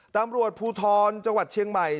ตำรวจภูทรจังหวัดเชียงใหม่